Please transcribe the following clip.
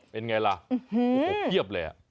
เป็นไงล่ะโอ้โหเพียบเลย